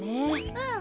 うん。